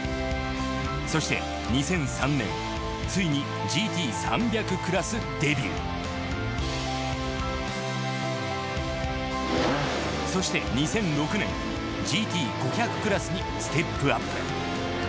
そして２００３年ついにＧＴ３００クラスデビューそして２００６年ＧＴ５００クラスにステップアップ。